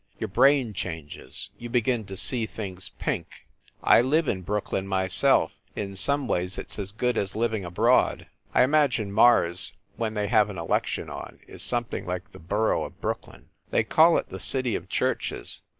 Your brain changes you begin to see things pink. I live in Brooklyn myself in some ways it s as good as living abroad. I imagine Mars, when they have an election on, is something like the Borough of Brooklyn. They call it the City of Churches.